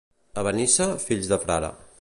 A Benissa, fills de frare.